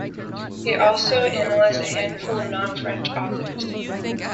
He also analyzed a handful of non-French authors.